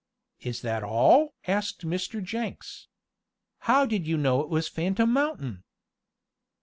"Is that all?" asked Mr. Jenks. "How did you know it was Phantom Mountain?"